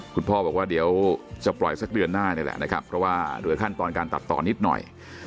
คุณพ่อบอกว่าเดี๋ยวจะปล่อยสักเดือนหน้านี่แหละนะครับเพราะว่าเหลือขั้นตอนการตัดต่อนิดหน่อย